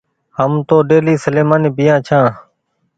هم تو ڍيلي سليمآني پيآ ڇآن